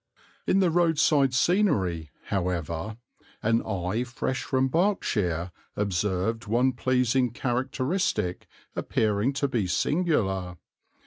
In the roadside scenery, however, an eye fresh from Berkshire observed one pleasing characteristic appearing to be singular.